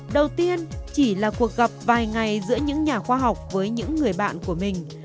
đầu tiên chỉ là cuộc gặp vài ngày giữa những nhà khoa học với những người bạn của mình